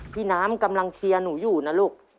พี่น้ำกำลังเชียร์หนูอยู่นะลูก